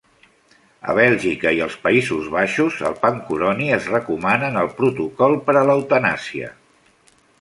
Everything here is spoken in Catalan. A Bèlgica i els Països Baixos, el pancuroni es recomana en el protocol per a l'eutanàsia.